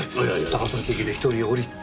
高崎駅で１人降りて。